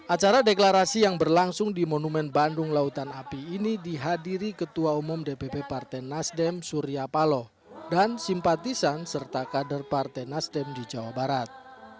acara deklarasi yang berlangsung di monumen bandung lautan api ini dihadiri ketua umum dpp partai nasdem surya paloh dan simpatisan serta kader partai nasdem di jawa barat